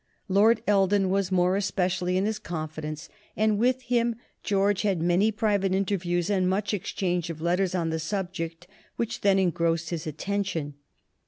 Lord Eldon was more especially in his confidence, and with him George had many private interviews and much exchange of letters on the subject which then engrossed his attention.